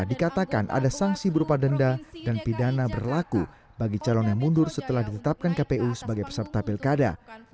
dikatakan ada sanksi berupa denda dan pidana berlaku bagi calon yang mundur setelah ditetapkan kpu sebagai peserta pilkada